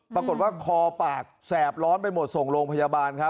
ปรากฏว่าคอปากแซ่บร้อนไปหมดส่งโรงพยาบาล